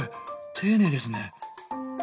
丁寧ですね。